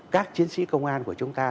các chiến sĩ công an của chúng ta